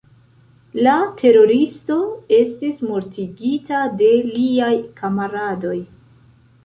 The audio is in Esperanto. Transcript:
La teroristo estis mortigita de liaj kamaradoj.